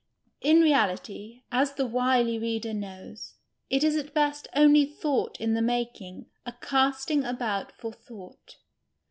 ■' In reality, as the wil}' reader knows, it is at best only thought in the making, a casting about for thought.